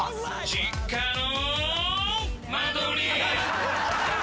「実家の間取り」